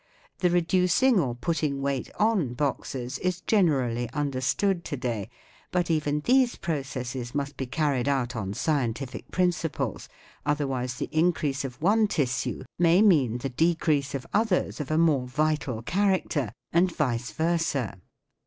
The reducing or putting weight on boxers is generally understood to day, but even these processes must be carried out on scientific principles, otherwise the increase of one tissue may mean the decrease of others of a more vital character, and vice versa.